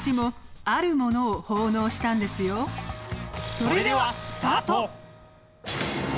それではスタート。